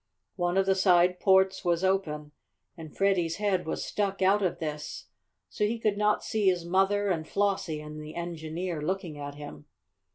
One of the side ports was open, and Freddie's head was stuck out of this, so he could not see his mother and Flossie and the engineer looking at him.